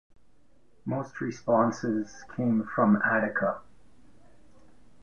Most responses came from Attica.